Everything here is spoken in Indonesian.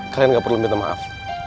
kalian gak perlu minta maaf